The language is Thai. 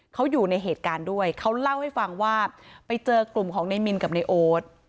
เขาอยู่ในเหตุการณ์ด้วยเขาเล่าให้ฟังว่าไปเจอกลุ่มของในมินกับในโอ๊ต